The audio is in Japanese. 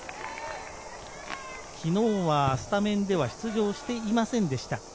昨日はスタメンでは出場していませんでした。